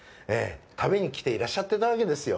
食べに来ていらっしゃってたわけですよ。